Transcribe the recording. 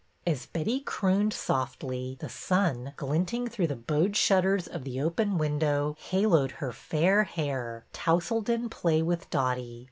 As Betty crooned softly, the sun, glinting through the bowed shutters of the open win dow, haloed her fair hair, tousled in play with Dotty.